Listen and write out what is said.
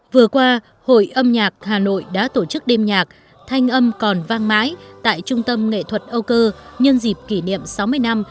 vừa qua hội âm nhạc hà nội đã tổ chức đêm nhạc thanh âm còn vang mãi tại trung tâm nghệ thuật âu cơ nhân dịp kỷ niệm sáu mươi năm